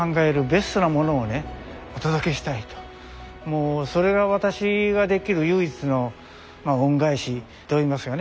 もうそれが私ができる唯一の恩返しといいますかね。